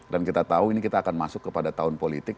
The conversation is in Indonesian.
dan kita tahu ini kita akan masuk kepada tahun politik